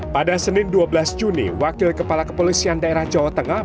pada senin dua belas juni wakil kepala kepolisian daerah jawa tengah